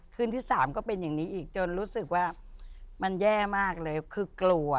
คืนที่๓ก็เป็นอย่างนี้อีกจนรู้สึกว่ามันแย่มากเลยคือกลัว